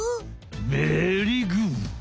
ベリーグー！